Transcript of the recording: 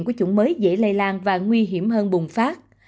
của chủng mới dễ lây lan và nguy hiểm hơn bùng phát